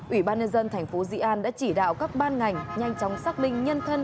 ủy ban nhân dân thành phố di an đã chỉ đạo các ban ngành nhanh chóng xác minh nhân thân